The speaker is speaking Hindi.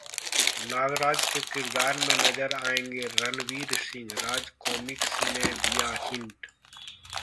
नागराज के किरदार में नजर आएंगे रणवीर सिंह! राज कॉमिक्स ने दिया हिंट